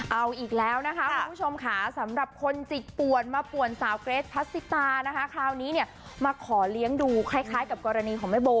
เอาอีกแล้วนะคะคุณผู้ชมค่ะสำหรับคนจิตป่วนมาป่วนสาวเกรทพัสซิตานะคะคราวนี้เนี่ยมาขอเลี้ยงดูคล้ายกับกรณีของแม่โบ